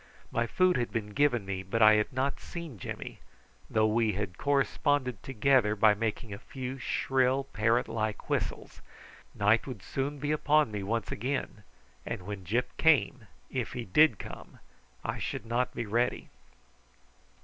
My food had been given me, but I had not seen Jimmy, though we had corresponded together by making a few shrill parrot like whistles. Night would soon be upon me once again, and when Gyp came, if he did come, I should not be ready.